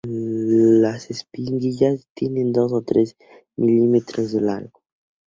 Las espiguillas tienen dos o tres milímetros de largo.